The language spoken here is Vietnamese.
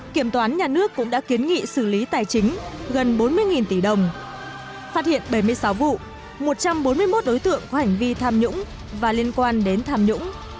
kiểm toán nhà nước cũng đã kiến nghị xử lý tài chính gần bốn mươi tỷ đồng phát hiện bảy mươi sáu vụ một trăm bốn mươi một đối tượng có hành vi tham nhũng và liên quan đến tham nhũng